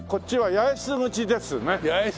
八重洲口ですね。